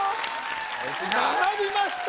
並びました！